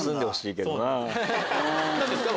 何ですか？